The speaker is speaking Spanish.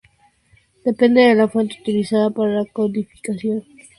Depende de la fuente utilizada para la codificación.